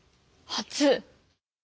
初。